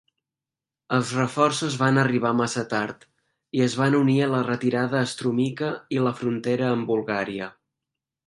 Els reforços van arribar massa tard i es van unir a la retirada a Strumica i la frontera amb Bulgària.